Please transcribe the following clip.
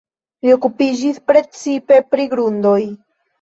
Li okupiĝis precipe pri grundoj.